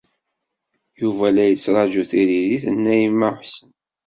Yuba la yettṛaju tiririt n Naɛima u Ḥsen.